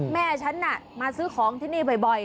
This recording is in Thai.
แม่ฉันน่ะมาซื้อของที่นี่บ่อย